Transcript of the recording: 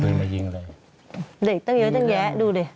เด็กตั้งเลือดตั้งแยะดูเลย